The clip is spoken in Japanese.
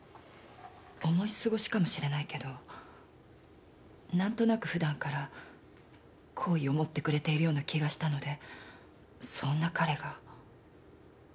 思い過ごしかもしれないけど何となくふだんから好意を持ってくれているような気がしたのでそんな彼が。